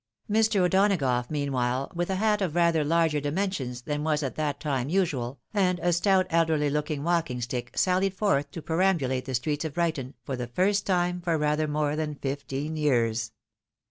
Mr. O'Donagough meanwhile, with a hat of rather larger dimensions than was at that time usual, and a stout elderly looking walking stick, sallied forth to perambulate the streets of Brighton, for the first time for rather more than fifteen years.